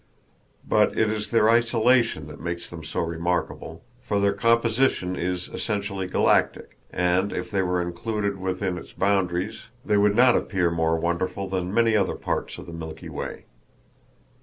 But it is their isolation that makes them so remarkable, for their composition is essentially galactic, and if they were included within its boundaries they would not appear more wonderful than many other parts of the Milky Way.